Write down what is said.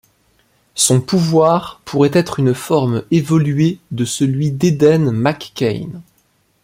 Son pouvoir pourrait être une forme évoluée de celui d'Eden McCain.